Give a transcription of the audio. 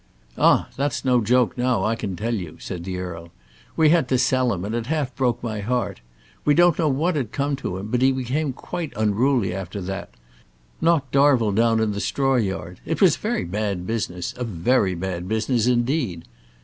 "Ah! that's no joke now, I can tell you," said the earl. "We had to sell him, and it half broke my heart. We don't know what had come to him, but he became quite unruly after that; knocked Darvell down in the straw yard! It was a very bad business, a very bad business, indeed!